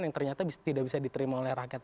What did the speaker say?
yang ternyata tidak bisa diterima oleh rakyat